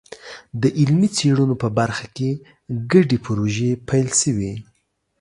د علمي څېړنو په برخه کې ګډې پروژې پیل شوي.